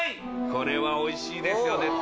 これはおいしいですよ絶対。